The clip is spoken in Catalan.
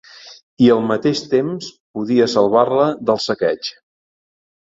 I al mateix temps podia salvar-la del saqueig.